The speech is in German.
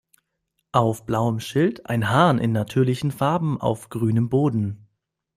Auf blauem Schild ein Hahn in natürlichen Farben auf grünem Boden.